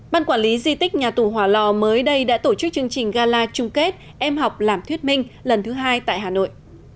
ban quản lý di tích nhà tù hòa lò mới đây đã tổ chức chương trình gala chung kết em học làm thuyết minh lần thứ hai tại hà nội